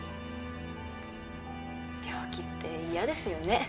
病気って嫌ですよね。